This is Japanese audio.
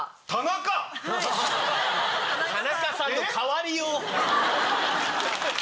田中さんの変わりよう。